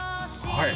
はい？